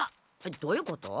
どういうこと？